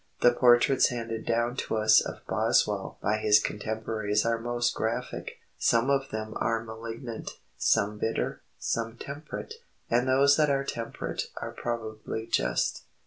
The portraits handed down to us of Boswell by his contemporaries are most graphic; some of them are malignant, some bitter, some temperate; and those that are temperate are probably just....